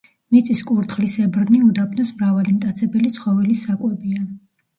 მიწის კურდღლისებრნი უდაბნოს მრავალი მტაცებელი ცხოველის საკვებია.